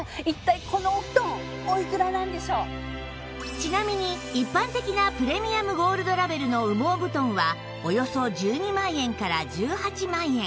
ちなみに一般的なプレミアムゴールドラベルの羽毛布団はおよそ１２万円から１８万円